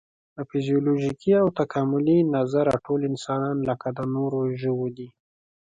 له فزیولوژیکي او تکاملي نظره ټول انسانان لکه د نورو ژوو دي.